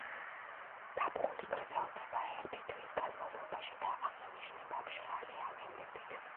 ზაფხული გრძელდება ერთი თვის განმავლობაში და აღინიშნება მშრალი ამინდებით.